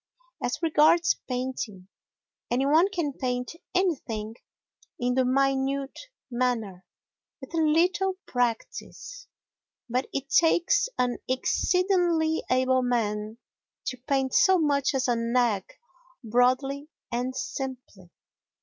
As regards painting, any one can paint anything in the minute manner with a little practice, but it takes an exceedingly able man to paint so much as an egg broadly and simply.